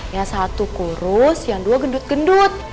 ya satu kurus yang dua gendut gendut